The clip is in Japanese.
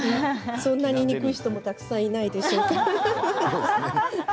そんなに、にくい人もたくさんいないでしょうから。